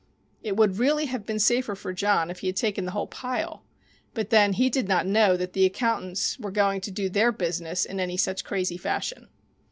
It would really have been safer for John if he had taken the whole pile, but then he did not know that the accountants were going to do their business in any such crazy fashion.